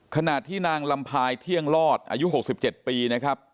ขณะที่นางลำพายเที่ยงลอดอายุ๖๗ปีนะครับ